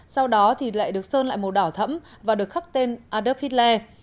sau đó lại được sơn lại màu đảo thẫm và được khắc tên adolf hitler